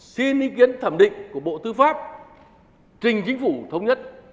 xin ý kiến thẩm định của bộ tư pháp trình chính phủ thống nhất